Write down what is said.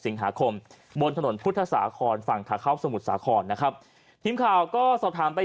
สิงหาคมบนถนนพุทธสาครฝั่งขาเข้าสมุทรสาครนะครับทีมข่าวก็สอบถามไป